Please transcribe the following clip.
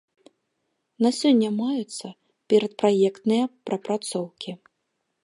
На сёння маюцца перадпраектныя прапрацоўкі.